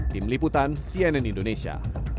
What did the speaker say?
tim liputan cnn indonesia